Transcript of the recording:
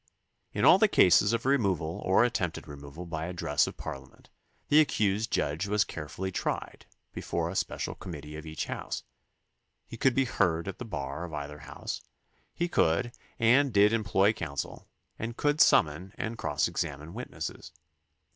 In all the cases of removal or attempted removal by address of Parliament the accused judge was carefully tried before a special committee of each house; he could be heard at the bar of either house, he could and did employ counsel, and could sununon and cross examine witnesses.